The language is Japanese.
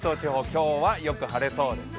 今日はよく晴れそうです。